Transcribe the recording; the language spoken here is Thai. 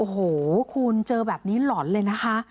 โอ้โหคุณเจอแบบนี้หล่อนเลยนะคะ